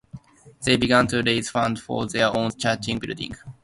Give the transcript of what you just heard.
They began to raise funds for their own church building.